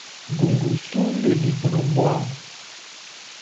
Gungusú le li bran bhwá a.